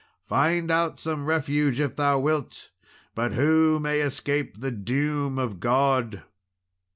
Find out some refuge, if thou wilt! but who may escape the doom of God?"